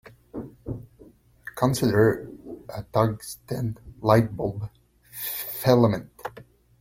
Consider a tungsten light-bulb filament.